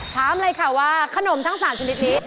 ถามเลยค่ะว่าขนมทั้ง๓ชนิดนี้